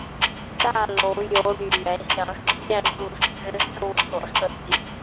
大楼由吕元祥建筑师事务所设计。